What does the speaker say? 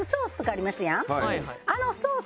あのソース